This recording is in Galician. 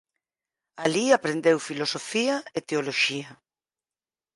Alí aprendeu Filosofía e Teoloxía.